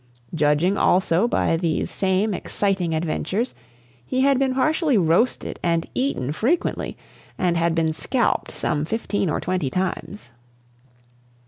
Judging, also, by these same exciting adventures, he had been partially roasted and eaten frequently and had been scalped some fifteen or twenty times.